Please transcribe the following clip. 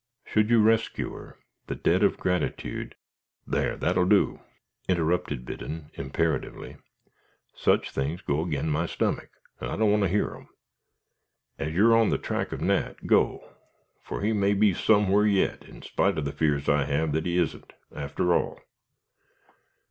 Should you rescue her, the debt of gratitude " "There! that'll do, ogh!" interrupted Biddon, imperatively. "Such things go agin my stummick, and I don't want to hear 'em. As you're on the track of Nat, go, fur he may be somewhar yit, in spite of the fears I have that he isn't, arter all."